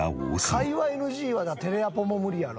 会話ＮＧはテレアポも無理やろ？